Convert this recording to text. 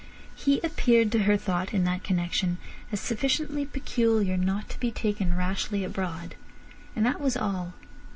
He appeared to her thought in that connection as sufficiently "peculiar" not to be taken rashly abroad. And that was all.